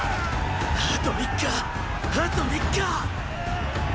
あと三日あと三日！